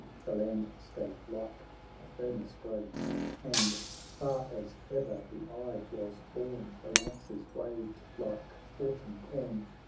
The landscape like a furnace glowed, And far as e'er the eye was borne, The lances waved like autumn corn.